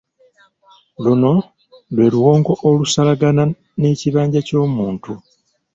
Luno lwe luwonko olusalagana n'ekibanja ky'omuntu.